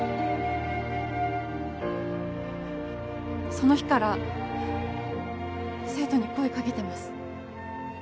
その日から生徒に声かけてます